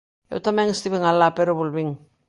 Eu tamén estiven alá, pero volvín.